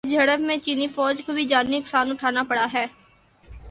اس جھڑپ میں چینی فوج کو بھی جانی نقصان اٹھانا پڑا ہے